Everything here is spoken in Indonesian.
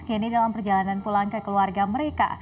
kini dalam perjalanan pulang ke keluarga mereka